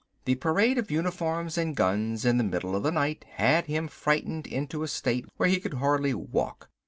The parade of uniforms and guns in the middle of the night had him frightened into a state where he could hardly walk.